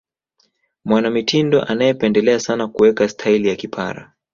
mwanamitindo anayependelea sana kuweka sitaili ya kipara